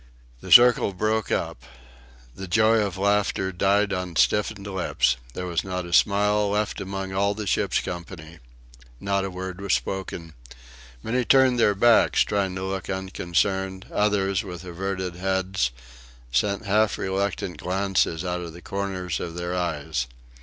The circle broke up. The joy of laughter died on stiffened lips. There was not a smile left among all the ship's company. Not a word was spoken. Many turned their backs, trying to look unconcerned; others, with averted heads, sent half reluctant glances out of the corners of their eyes.